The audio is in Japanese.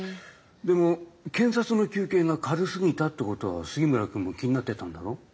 でも検察の求刑が軽すぎたってことは杉村君も気になってたんだろ？